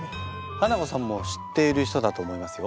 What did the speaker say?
ハナコさんも知っている人だと思いますよ。